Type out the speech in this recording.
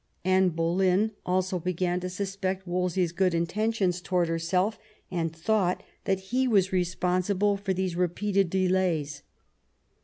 Anne Boleyn also began to suspect Wolsey's good intentions towards herself, and thought that he was responsible for these repeated delays.